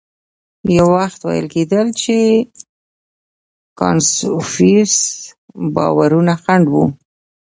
یو وخت ویل کېدل چې کنفوسیوس باورونه خنډ و.